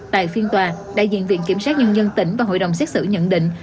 tại phiên tòa đại diện viện kiểm sát nhân dân tỉnh và hội đồng xét xử nhận định